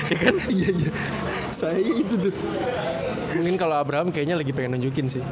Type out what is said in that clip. iya iya iya sayangnya itu tuh mungkin kalau abraham kayaknya lagi pengen nunjukin sih